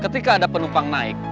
ketika ada penumpang naik